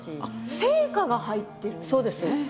生花が入っているんですね。